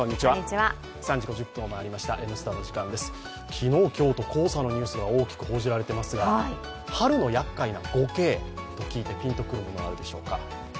昨日、今日と黄砂のニュースが大きく報じられていますが、春のやっかいな５Ｋと聞いて思いつくものあるでしょうか。